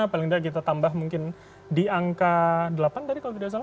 paling tidak kita tambah mungkin di angka delapan tadi kalau tidak salah